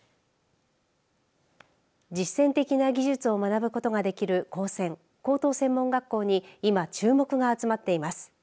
実践的な技術を学ぶことができる高専、高等専門学校に今、注目が集まっています。